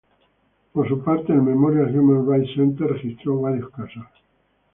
Por su parte, el Memorial Human Rights Center registró varios casos.